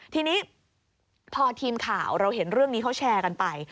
ทีนี้พอทีมข่าวเราเห็นเรื่องนี้เขาแชร์กันไป